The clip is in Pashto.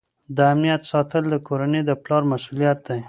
د امنیت ساتل د کورنۍ د پلار مسؤلیت دی.